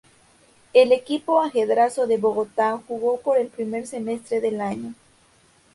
En el equipo "Ajedrezado" de Bogotá, jugó por el primer semestre del año.